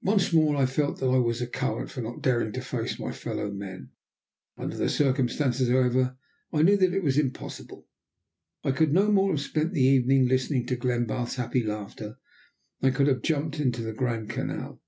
Once more I felt that I was a coward for not daring to face my fellow men. Under the circumstances, however, I knew that it was impossible. I could no more have spent the evening listening to Glenbarth's happy laughter than I could have jumped the Grand Canal.